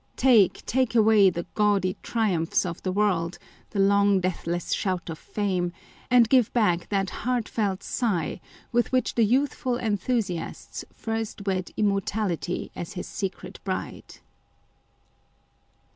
Take, take away the gaudy triumphs of the world, the long deathless shout of fame, and give back that heart felt 6igh with which the youthful enthusiasts first wed immortality as his secret bride